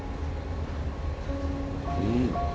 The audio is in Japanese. うん。